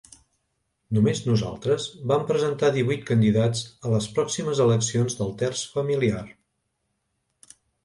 Només nosaltres vam presentar divuit candidats a les pròximes eleccions pel terç familiar.